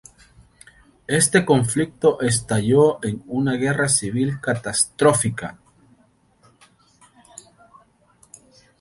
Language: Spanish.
Este conflicto estalló en una guerra civil catastrófica.